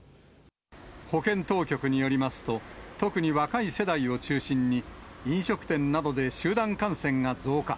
保健当局によりますと、特に若い世代を中心に、飲食店などで集団感染が増加。